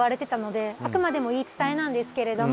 あくまでも言い伝えなんですけれども。